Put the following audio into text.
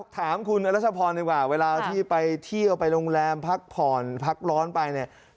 ถามคุณอรัชพรดีกว่าเวลาที่ไปเที่ยวไปโรงแรมพักผ่อนพักร้อนไปเนี่ย